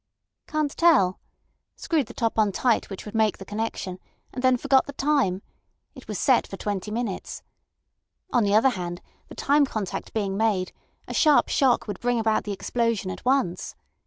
"Can't tell. Screwed the top on tight, which would make the connection, and then forgot the time. It was set for twenty minutes. On the other hand, the time contact being made, a sharp shock would bring about the explosion at once.